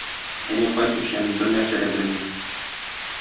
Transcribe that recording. Әни кайтмыйча, мин бернәрсә дә белмим.